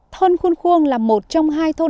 thôn khuôn khuông là một trong hai thôn